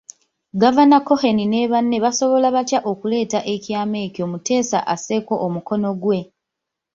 Gavana Cohen ne banne basobola batya okuleeta ekyama ekyo Muteesa asseeko omukono ggwe.